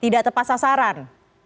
tidak tepat sasaran